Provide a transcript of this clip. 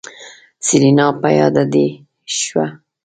سېرېنا په ياده دې شوه.